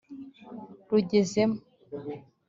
rugezemo